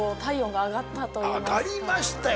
上がりましたよ！